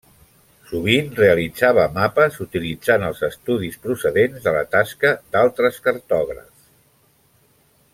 Sovint realitzava mapes utilitzant els estudis procedents de la tasca d'altres cartògrafs.